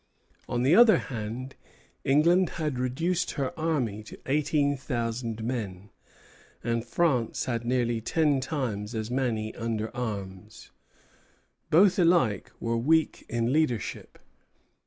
On the other hand, England had reduced her army to eighteen thousand men, and France had nearly ten times as many under arms. Both alike were weak in leadership.